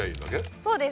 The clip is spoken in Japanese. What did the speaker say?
そうです